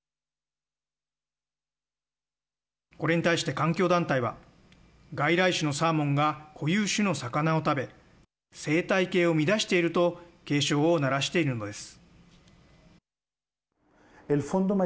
これに対して環境団体は外来種のサーモンが固有種の魚を食べ生態系を乱していると警鐘を鳴らしているのです。